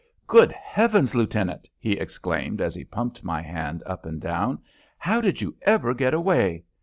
"Good Heavens, Lieutenant!" he exclaimed as he pumped my hand up and down. "How did you ever get away?"